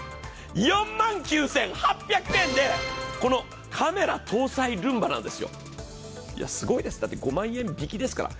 でこのカメラ搭載ルンバなんですよ、すごいです、だって５万円引きですから。